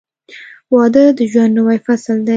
• واده د ژوند نوی فصل دی.